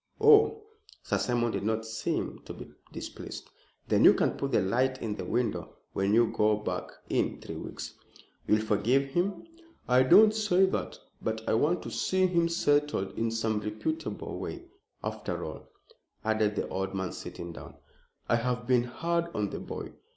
"Oh!" Sir Simon did not seem to be displeased. "Then you can put the light in the window when we go back in three weeks." "You will forgive him?" "I don't say that. But I want to see him settled in some reputable way. After all," added the old man, sitting down, "I have been hard on the boy.